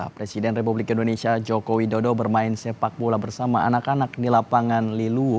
presiden republik indonesia joko widodo bermain sepak bola bersama anak anak di lapangan lilu